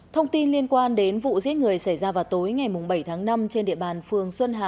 thông tin liên quan đến vụ giết người xảy ra vào tối ngày bảy tháng năm trên địa bàn phường xuân hà